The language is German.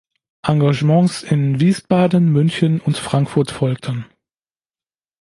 Engagements in Wiesbaden, München und Frankfurt folgten.